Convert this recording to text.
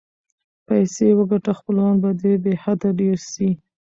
پیسې وګټه خپلوان به دې بی حده ډېر سي.